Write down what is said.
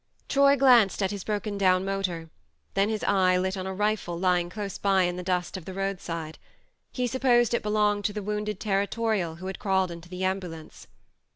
Troy glanced at his broken down motor ; then his eye lit on a rifle lying close by in the dust of the roadside. He supposed it belonged to the wounded territorial who had crawled into the ambulance.